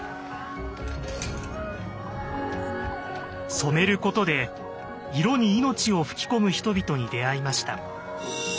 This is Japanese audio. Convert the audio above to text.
「染めること」で色に命を吹き込む人々に出会いました。